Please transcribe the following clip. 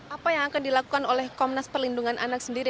apa yang akan dilakukan oleh komnas perlindungan anak sendiri